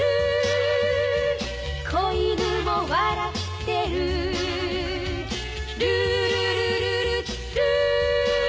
「小犬も笑ってる」「ルールルルルルー」